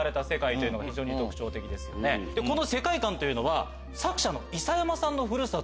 この世界観というのは。